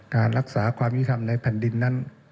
การรักษาความยุทธรรมในแผ่นดินนั้น